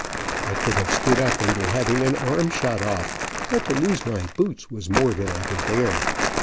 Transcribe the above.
I could have stood up under having an arm shot off, but to lose my boots was more than I could bear.